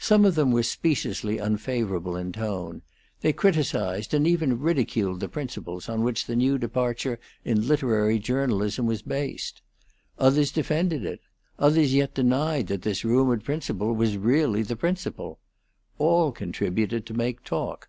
Some of them were speciously unfavorable in tone; they criticised and even ridiculed the principles on which the new departure in literary journalism was based. Others defended it; others yet denied that this rumored principle was really the principle. All contributed to make talk.